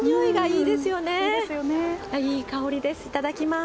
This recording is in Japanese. いい香りです。